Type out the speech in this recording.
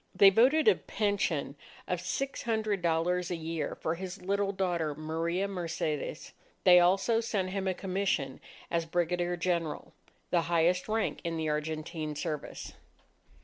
They voted a pension of six hundred dollars a year for his little daughter, Maria Mercedes. They also sent him a commission as Brigadier General, the highest rank in the Argentine service.